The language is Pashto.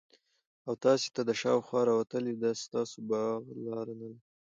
او تاسي ته دشاخوا راوتلي ده ستاسو باغ لار نلري